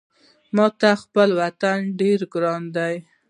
ماته خپل وطن ډېر ګران ده